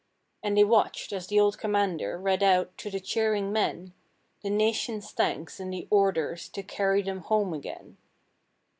And they watched as the old commander Read out, to the cheering men, The Nation's thanks and the orders To carry them home again.